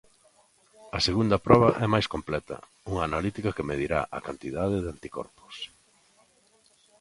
A segunda proba é máis completa, unha analítica que medirá a cantidade de anticorpos.